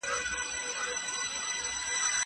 زه پرون انځورونه رسم کړل!